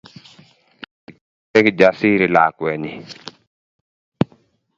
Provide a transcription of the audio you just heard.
Kitebee Kijasiri lakwenyii